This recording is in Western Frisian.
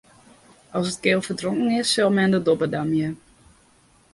As it keal ferdronken is, sil men de dobbe damje.